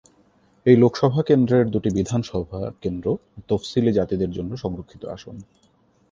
এই লোকসভা কেন্দ্রের দুটি বিধানসভা কেন্দ্র তফসিলী জাতিদের জন্য সংরক্ষিত আসন।